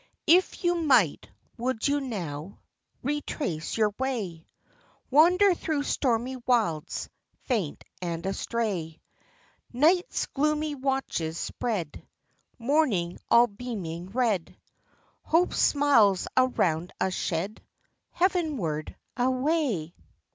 If you might, would you now Retrace your way ? Wander through stormy wilds, Faint and astray ? Night's gloomy watches spread, Morning all beaming red, Hope's smiles around us shed, Heavenward — away